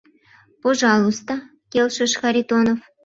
— Пожалуйста, — келшыш Харитонов.